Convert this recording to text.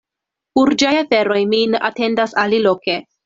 Urĝaj aferoj min atendas aliloke.